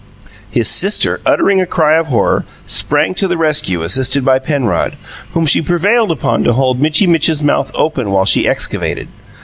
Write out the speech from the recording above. His sister, uttering a cry of horror, sprang to the rescue, assisted by Penrod, whom she prevailed upon to hold Mitchy Mitch's mouth open while she excavated.